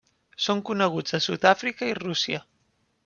Són coneguts a Sud-àfrica i Rússia.